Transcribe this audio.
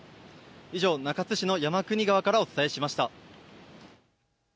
以上、中津市の山国川からお伝えしました。